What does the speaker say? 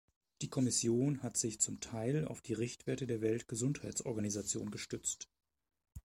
Die Kommission hat sich zum Teil auf die Richtwerte der Weltgesundheitsorganisation gestützt.